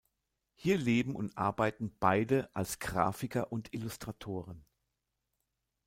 Hier leben und arbeiten beide als Grafiker und Illustratoren.